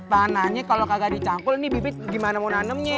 panahnya kalo kagak dicampur nih bibit gimana mau nanemnya